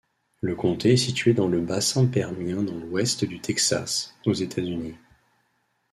Le comté est situé dans le Bassin permien dans l'Ouest du Texas, aux États-Unis.